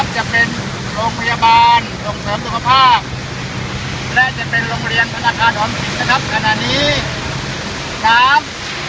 จะเป็นโรงพยาบาลดรสุขภาพและจะเป็นโรงเรียนธนาคารอ๋อมศิษย์